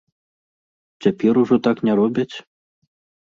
Цяпер ужо так не робяць?